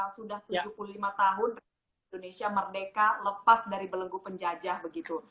sudah tujuh puluh lima tahun indonesia merdeka lepas dari belenggu penjajah begitu